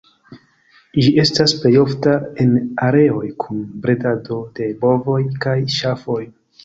Ĝi estas plej ofta en areoj kun bredado de bovoj kaj ŝafoj.